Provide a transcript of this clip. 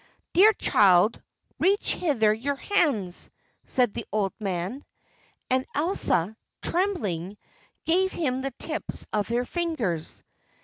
"Dear child, reach hither your hands," said the old man. And Elsa, trembling, gave him the tips of her fingers.